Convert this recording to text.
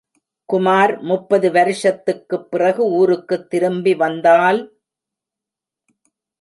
குமார் முப்பது வருஷத்துக்குப் பிறகு ஊருக்குத் திரும்பி வந்தால்........?